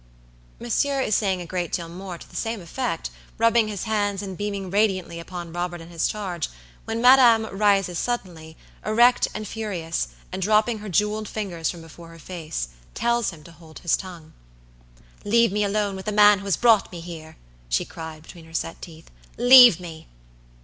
Monsieur is saying a great deal more to the same effect, rubbing his hands and beaming radiantly upon Robert and his charge, when madam rises suddenly, erect and furious, and dropping her jeweled fingers from before her face, tells him to hold his tongue. "Leave me alone with the man who has brought me here." she cried, between her set teeth. "Leave me!"